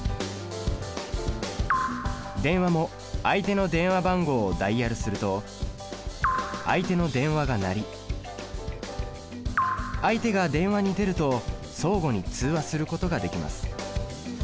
電話も相手の電話番号をダイヤルすると相手の電話が鳴り相手が電話に出ると相互に通話することができます。